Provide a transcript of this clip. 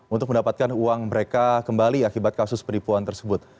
untuk mendapatkan uang mereka kembali akibat kasus penipuan tersebut